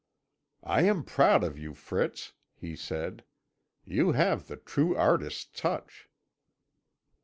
"I am proud of you, Fritz," he said; "you have the true artist's touch."